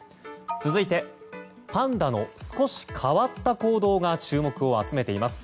続いて、パンダの少し変わった行動が注目を集めています。